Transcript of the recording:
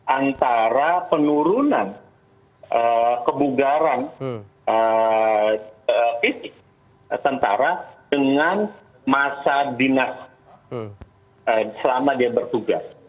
antara penurunan kebugaran fisik tentara dengan masa dinas selama dia bertugas